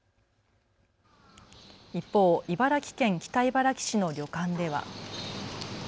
一方、茨城県北茨城市の旅館では。